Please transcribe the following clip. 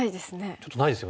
ちょっとないですよね。